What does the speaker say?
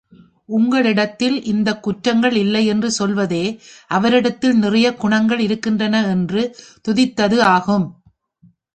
உங்களிடத்தில் இந்தக் குற்றங்கள் இல்லை என்று சொல்வதே அவரிடத்தில் நிறையக் குணங்கள் இருக்கின்றன என்று துதித்தது ஆகும்.